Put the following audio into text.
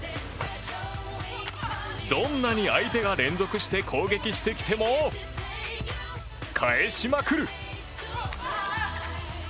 どんなに相手が連続して攻撃してきても返しまくる！